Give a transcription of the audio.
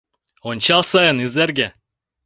Ончал сайын, Изерге